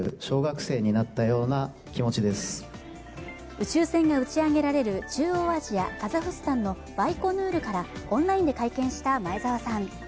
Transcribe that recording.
宇宙船が打ち上げられる中央アジア・カザフスタンのバイコヌールからオンラインで会見した前澤さん。